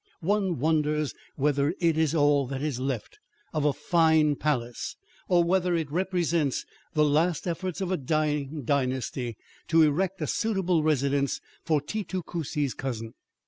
One wonders whether it is all that is left of a fine palace, or whether it represents the last efforts of a dying dynasty to erect a suitable residence for Titu Cusi's cousin.